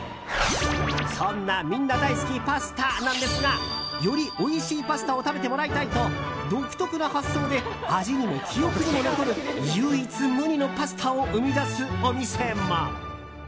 そんな、みんな大好きパスタなんですがよりおいしいパスタを食べてもらいたいと独特な発想で味にも記憶にも残る唯一無二のパスタを生み出すお店も。